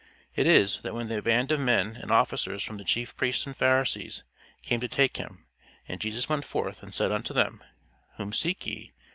It is, that when the "band of men and officers from the chief priests and Pharisees" came to take him, and "Jesus went forth and said unto them, Whom seek ye?"